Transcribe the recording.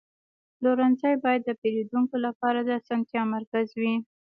پلورنځی باید د پیرودونکو لپاره د اسانتیا مرکز وي.